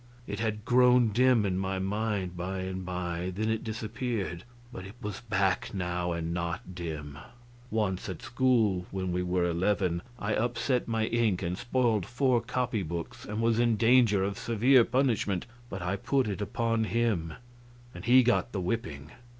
It had grown dim in my mind, by and by, then it disappeared; but it was back now, and not dim. Once at school, when we were eleven, I upset my ink and spoiled four copy books, and was in danger of severe punishment; but I put it upon him, and he got the whipping.